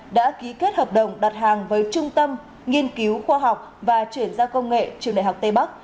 đã ký kết hợp đồng đặt hàng với trung tâm nghiên cứu khoa học và chuyển giao công nghệ trường đại học tây bắc